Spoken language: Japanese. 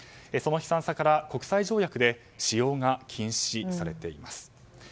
その悲惨さから国際条約で使用が禁止されています。